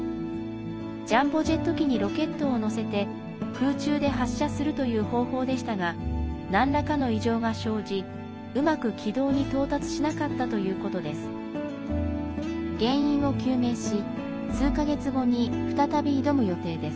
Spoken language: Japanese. ジャンボジェット機にロケットを載せて空中で発射するという方法でしたがなんらかの異常が生じうまく軌道に到達しなかったということです。